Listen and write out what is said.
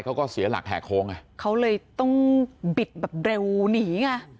เขาก็เสียหลักแห่โค้งไงเขาเลยต้องบิดแบบเร็วหนีไง